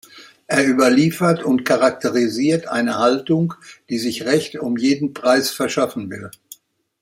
Er überliefert und charakterisiert eine Haltung, die sich Recht um jeden Preis verschaffen will.